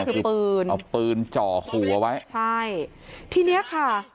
นั่นคือปืนจ่อหัวไว้ใช่ที่นี้ค่ะ